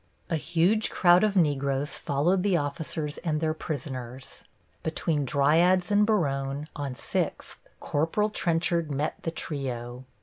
A huge crowd of Negroes followed the officers and their prisoners. Between Dryades and Baronne, on Sixth, Corporal Trenchard met the trio.